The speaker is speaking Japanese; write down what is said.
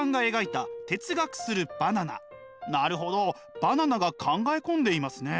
なるほどバナナが考え込んでいますね。